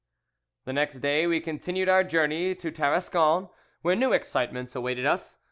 "The next day we continued our journey to Tarascon, where new excitements awaited us.